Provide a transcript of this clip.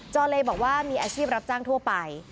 อเลบอกว่ามีอาชีพรับจ้างทั่วไป